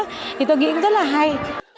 thì tôi nghĩ cũng rất là hay